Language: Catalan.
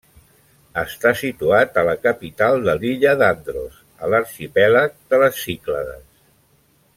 Està situat a la capital de l'illa d'Andros, a l'arxipèlag de les Cíclades.